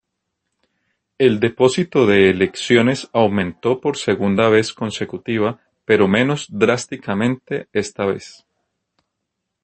El depósito de elecciones aumentó por segunda vez consecutiva pero menos drásticamente esta vez.